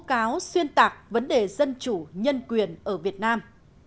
báo xuyên tạc vấn đề dân chủ nhân quyền ở việt nam